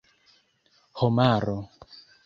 homaro